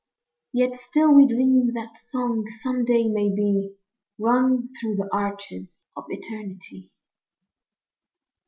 Yet still we dream that song some day may be Rung through the arches of Eternity.